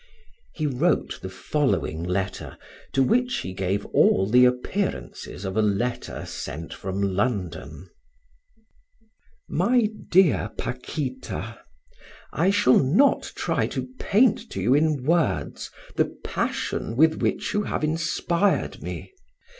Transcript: He wrote the following letter, to which he gave all the appearances of a letter sent from London: "MY DEAR PAQUITA, I shall not try to paint to you in words the passion with which you have inspired me.